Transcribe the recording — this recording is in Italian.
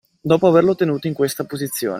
Dopo averlo tenuto in questa posizione.